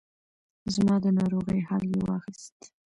زما د ناروغۍ حال یې واخیست.